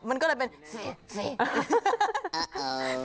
มันก็เลยเป็นเสก